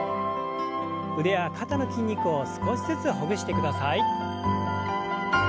腕や肩の筋肉を少しずつほぐしてください。